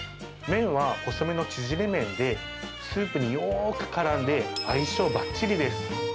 麺は細めの縮れ麺で、スープによーくからんで、相性ばっちりです。